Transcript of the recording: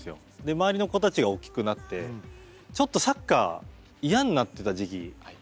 周りの子たちが大きくなってちょっとサッカー嫌になってた時期。